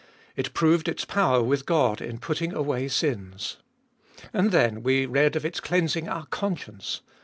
It proved its power with God in putting away sins. And then we read of its cleansing our conscience.